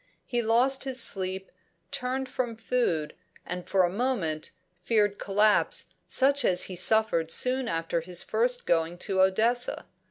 He lost his sleep, turned from food, and for a moment feared collapse such as he had suffered soon after his first going to Odessa.